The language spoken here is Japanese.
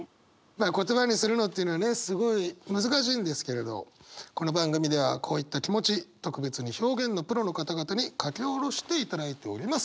言葉にするのっていうのはねすごい難しいんですけれどこの番組ではこういった気持ち特別に表現のプロの方々に書き下ろしていただいております。